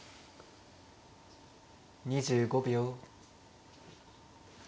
２５秒。